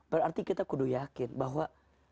berarti kita kudu yakin bahwa